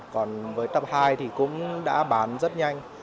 còn với tập hai thì cũng đã bán rất nhanh